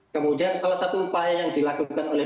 kemudian salah satu upaya yang dilakukan oleh